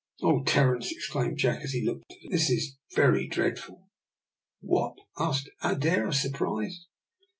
"Oh, Terence," exclaimed Jack, as he looked at them, "this is very dreadful!" "What?" asked Adair, surprised.